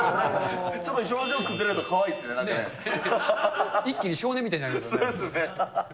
ちょっと表情崩れるとかわい一気に少年みたいになります